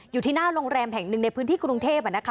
อยู่ที่หน้าโรงแรมแห่งหนึ่งในพื้นที่กรุงเทพ